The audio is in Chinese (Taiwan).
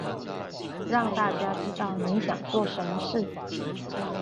讓大家知道你想做什麼事